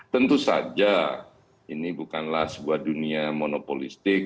tentu saja ini bukanlah sebuah dunia monopolistik